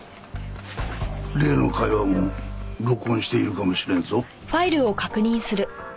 例の会話も録音しているかもしれんぞ。